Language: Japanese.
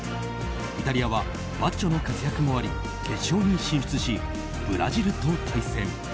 イタリアはバッジョの活躍もあり決勝に進出しブラジルと対戦。